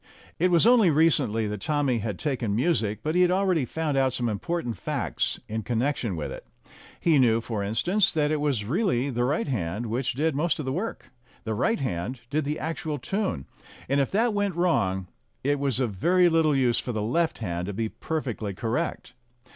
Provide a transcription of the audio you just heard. It was only recently that Tommy had "taken music," but he had already found out some important facts in connection with it. He knew, for instance, that it was really the right hand which did most of the work; the right hand did the actual tune, and if that went wrong it was of very little use for the left hand to be perfectly correct.